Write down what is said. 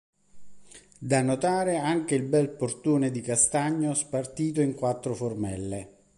Da notare anche il bel portone di castagno spartito in quattro formelle.